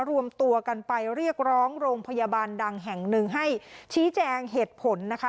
รวมตัวกันไปเรียกร้องโรงพยาบาลดังแห่งหนึ่งให้ชี้แจงเหตุผลนะคะ